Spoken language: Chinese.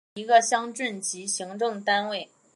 是下辖的一个乡镇级行政单位。